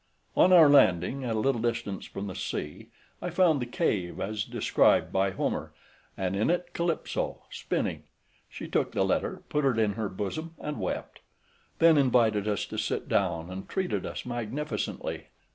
On our landing, at a little distance from the sea, I found the cave, as described by Homer, and in it Calypso, spinning; she took the letter, put it in her bosom, and wept; then invited us to sit down, and treated us magnificently.